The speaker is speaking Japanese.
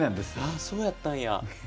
あそうやったんや。